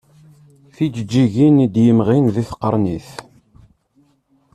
Tijeǧǧigin i d-yemɣin di tqernit.